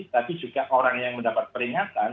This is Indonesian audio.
tapi juga orang yang mendapat peringatan